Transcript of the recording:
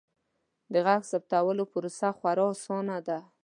د غږ ثبتولو پروسه خورا اسانه ده.